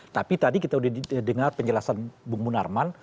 tapi tadi kita sudah dengar penjelasan bung munarman